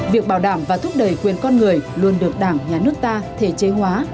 việc bảo đảm và thúc đẩy quyền con người luôn được đảng nhà nước ta thể chế hóa